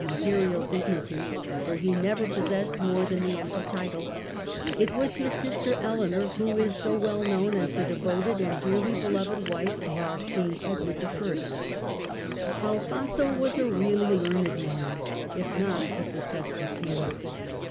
perial dignity, though he never possessed more than the empty title : it was his sister Eleanor who is so well known as the devoted and dearly beloved wife of our King Edward I. Alfonso was a really learned man, if not a successful King.